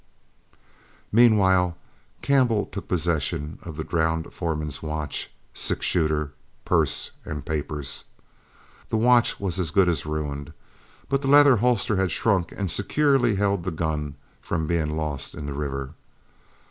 Meanwhile, Campbell took possession of the drowned foreman's watch, six shooter, purse, and papers. The watch was as good as ruined, but the leather holster had shrunk and securely held the gun from being lost in the river.